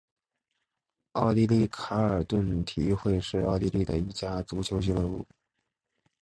奥地利卡尔顿体育会是奥地利的一家足球俱乐部。